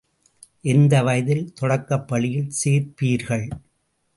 எந்த வயதில் தொடக்கப் பள்ளியில் சேர்ப்பீர்கள்?